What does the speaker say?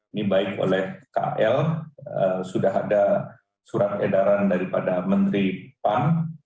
ini baik oleh kl sudah ada surat edaran daripada menteri pan